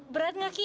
berat gak ki